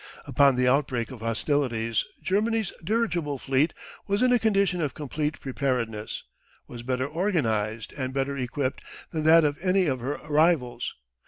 Upon the outbreak of hostilities Germany's dirigible fleet was in a condition of complete preparedness, was better organised, and better equipped than that of any of her rivals.